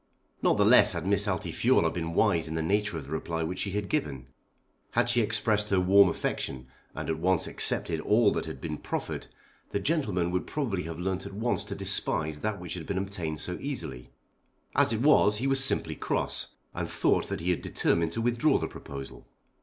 Not the less had Miss Altifiorla been wise in the nature of the reply which she had given. Had she expressed her warm affection, and at once accepted all that had been proffered, the gentleman would probably have learnt at once to despise that which had been obtained so easily. As it was he was simply cross, and thought that he had determined to withdraw the proposal.